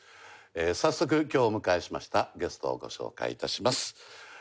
早速今日お迎えしましたゲストをご紹介致します。